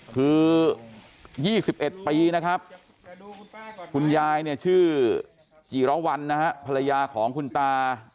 คือ๒๑ปีนะครับคุณยายเนี่ยชื่อจิรวรรณนะฮะภรรยาของคุณตา